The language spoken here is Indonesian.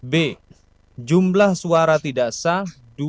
b jumlah suara tidak sah